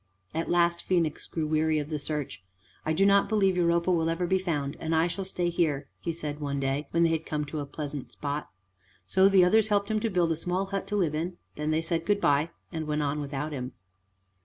At last Phoenix grew weary of the search. "I do not believe Europa will ever be found, and I shall stay here," he said one day when they came to a pleasant spot. So the others helped him to build a small hut to live in, then they said good by and went on without him.